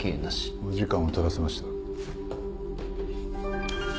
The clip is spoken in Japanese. お時間をとらせました。